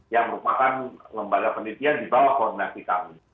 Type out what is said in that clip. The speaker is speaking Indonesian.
yang merupakan lembaga penelitian di bawah koordinasi kami